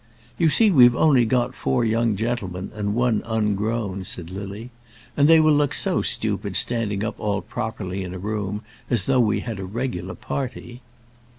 "You see we've only got four young gentlemen and one ungrown," said Lily; "and they will look so stupid standing up all properly in a room, as though we had a regular party."